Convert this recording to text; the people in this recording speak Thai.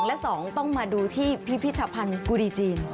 และสองต้องมาดูที่พิพิธภัณฑ์กูดีจีน